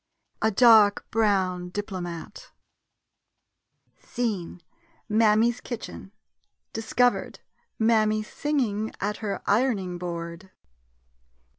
]& A DARK BROWN DIPLOMAT Scene — Mammy's kitchen. Discovered — Mammy singing at her iron ing board.